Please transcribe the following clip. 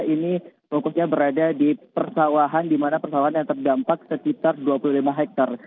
ini rukuknya berada di persawahan di mana persawahan yang terdampak sekitar dua puluh lima hektare